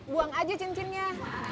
buang aja cincinnya